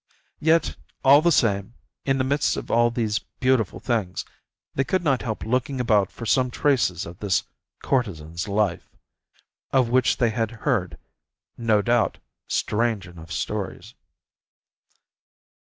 Yet, all the same, in the midst of all these beautiful things, they could not help looking about for some traces of this courtesan's life, of which they had heard, no doubt, strange enough stories.